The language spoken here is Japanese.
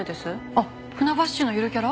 あっ船橋市のゆるキャラ？